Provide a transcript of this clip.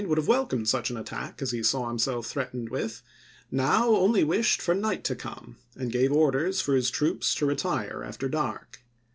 would have welcomed such an attack as he saw himself threatened with, now only wished for night to come, and gave orders for his troops to Mggjgk retire after dark.